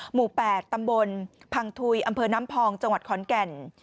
หมู่๘ตำบลพังทุยอำเภอน้ำพองจังหวัดขอนแก่น